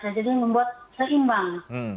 jadi membuat seimbang